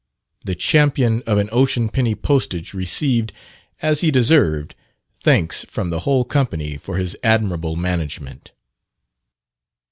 The champion of an "Ocean Penny Postage" received, as he deserved, thanks from the whole company for his admirable management.